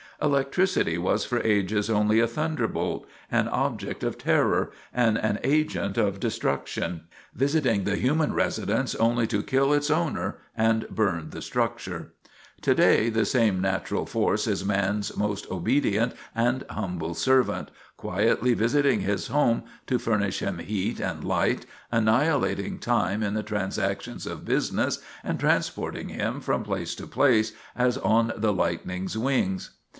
Electricity was for ages only a thunderbolt, an object of terror, and an agent of destruction, visiting the human residence only to kill its owner and burn the structure. To day the same natural force is man's most obedient and humble servant, quietly visiting his home to furnish him heat and light, annihilating time in the transactions of business, and transporting him from place to place as on the lightning's wings.